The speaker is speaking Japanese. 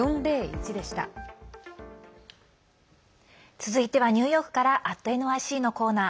続いてはニューヨークから「＠ｎｙｃ」のコーナー。